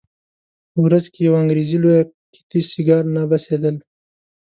په ورځ کې یوه انګریزي لویه قطي سیګار نه بسېدل.